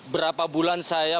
berapa bulan saya